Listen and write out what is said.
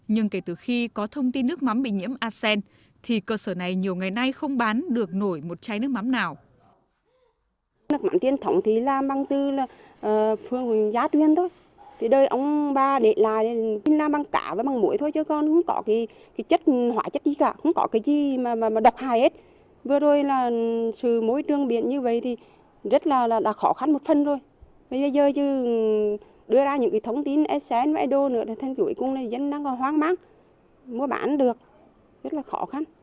nhưng kể từ khi có thông tin nước mắm bị nhiễm arsen thì cơ sở này nhiều ngày nay không bán được nổi một chai nước mắm nào